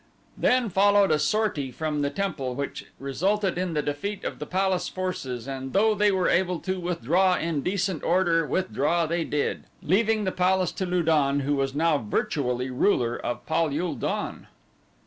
Then followed a sortie from the temple which resulted in the defeat of the palace forces, and though they were able to withdraw in decent order withdraw they did, leaving the palace to Lu don, who was now virtually ruler of Pal ul don.